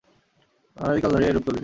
অনাদি কাল ধরিয়াই এইরূপ চলিতেছে।